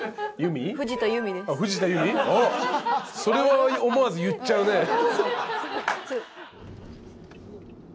それは思わず言っちゃうね。